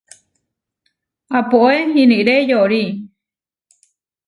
Apoé iniré yoorí.